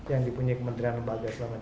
yang dipunya kementerian lembaga selamat